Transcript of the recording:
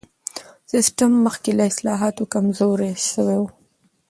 سیستم مخکې له اصلاحاتو کمزوری سوی و.